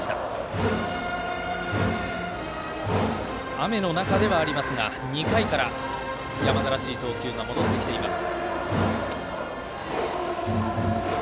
雨の中ではありますが２回から山田らしい投球が戻ってきています。